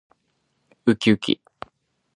うきうき